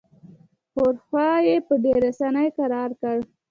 ښورښ یې په ډېره اساني کرار کړ.